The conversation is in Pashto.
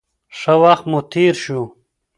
ښه وخت مو تېر شو.